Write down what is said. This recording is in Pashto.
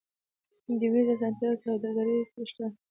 د ویزې اسانتیاوې سوداګرو ته شته